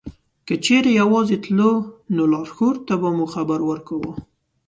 که چېرته یوازې تلو نو لارښود ته به مو خبر ورکاوه.